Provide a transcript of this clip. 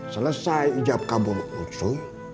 selesai hijab kabul utsu